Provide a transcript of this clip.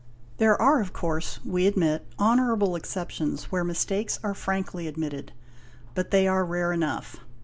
There are of course, we admit, honourable exceptions where mistakes are frankly admitted; but they are rare enough.